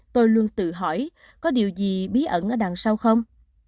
tôi luôn tự hỏi có điều gì bí ẩn ở đằng sau không